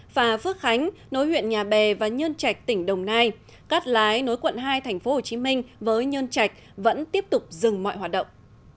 phà phước khánh nối huyện nhà bè và nhân trạch tỉnh đồng nai cát lái nối quận hai tp hcm với nhân trạch vẫn tiếp tục dừng mọi hoạt động